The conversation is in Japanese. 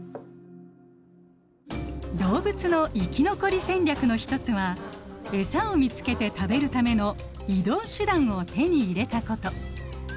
動物の生き残り戦略の一つはエサを見つけて食べるための移動手段を手に入れたこと。